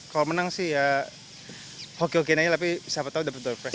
kalau menang sih ya hoki hokin aja tapi siapa tau dapet turnamen